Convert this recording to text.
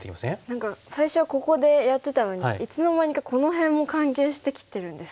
何か最初はここでやってたのにいつの間にかこの辺も関係してきてるんですね。